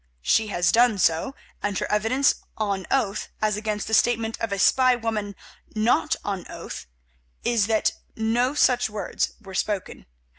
She has done so, and her evidence on oath as against the statement of a spy woman not on oath, is that no such words were spoken.